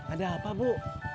ada apa bu